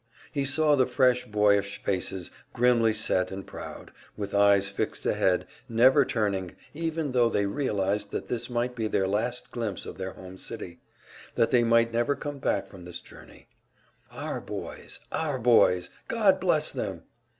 He saw the fresh, boyish faces, grimly set and proud, with eyes fixed ahead, never turning, even tho they realized that this might be their last glimpse of their home city, that they might never come back from this journey. Our boys! Our boys! God bless them!